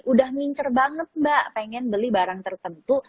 udah mincer banget mbak pengen beli barang tertentu